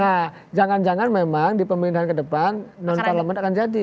nah jangan jangan memang di pemerintahan ke depan non parlemen akan jadi